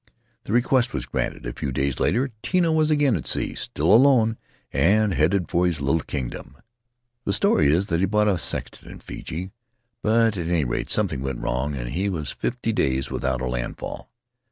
The request was granted; a few days later Tino was again at sea, still alone, and headed for his little kingdom. The story is that he bought a sextant in Fiji, but at any rate, something went wrong and he was fifty days without a landfall.